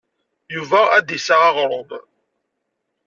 Yuba ad d-iseɣ aɣrum.